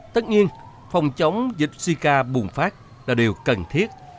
tất nhiên phòng chống dịch sika bùng phát là điều cần thiết